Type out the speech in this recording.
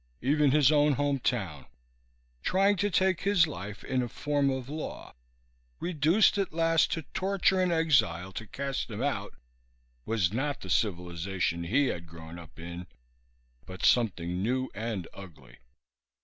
Even his own home town, trying to take his life in a form of law, reduced at last to torture and exile to cast him out, was not the civilization he had grown up in but something new and ugly.